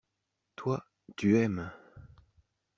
Toi, tu aimes.